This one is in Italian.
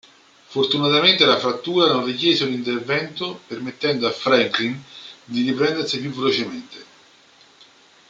Fortunatamente la frattura non richiese un intervento, permettendo a Franklin di riprendersi più velocemente.